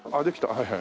はいはい。